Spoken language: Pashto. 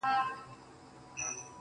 زمـا مــاسوم زړه,